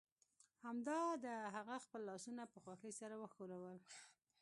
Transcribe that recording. همدا ده هغه خپل لاسونه په خوښۍ سره وښورول